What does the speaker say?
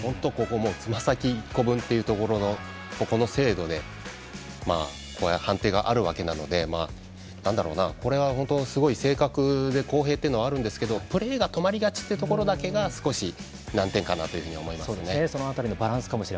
つま先１個分という精度でこういう判定があるわけなのでこれは本当に正確で公平というのはあるんですけどプレーが止まりがちというところだけが少し難点かなと思いますね。